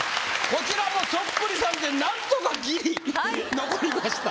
こちらもそっくりさんでなんとかギリ残りました